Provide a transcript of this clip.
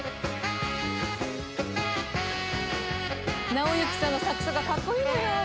尚之さんのサックスがかっこいいのよ。